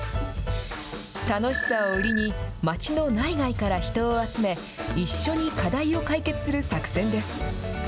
楽しさを売りに、町の内外から人を集め、一緒に課題を解決する作戦です。